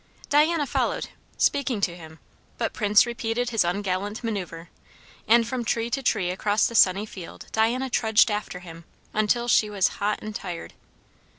Diana followed, speaking to him; but Prince repeated his ungallant manoeuvre; and from tree to tree across the sunny field Diana trudged after him, until she was hot and tired.